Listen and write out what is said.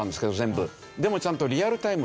でもちゃんとリアルタイムで。